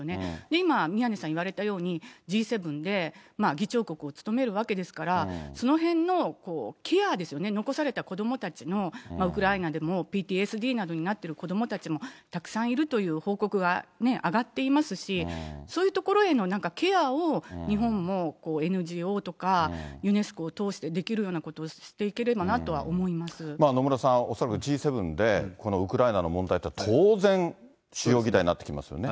今、宮根さん言われたように、Ｇ７で議長国を務めるわけですから、そのへんのケアですよね、残された子どもたちのウクライナでもＰＴＳＤなどになっている子どもたちもたくさんいるという報告が上がっていますし、そういうところへのなんかケアを、日本も、ＮＧＯとかユネスコを通してできることをしていければなと思いま野村さん、恐らくＧ７で、このウクライナの問題というのは当然、主要議題になってきますよね。